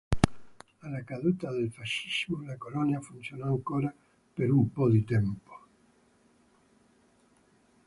Alla caduta del fascismo la Colonia funzionò ancora per un po' di tempo.